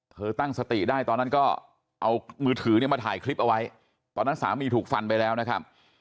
ตั้งสติได้ตอนนั้นก็เอามือถือเนี่ยมาถ่ายคลิปเอาไว้ตอนนั้นสามีถูกฟันไปแล้วนะครับ